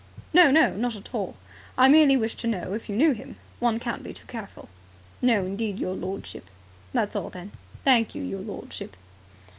"No, no, not at all. I merely wished to know if you knew him. One can't be too careful." "No, indeed, your lordship." "That's all, then." "Thank you, your lordship."